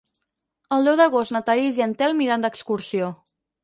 El deu d'agost na Thaís i en Telm iran d'excursió.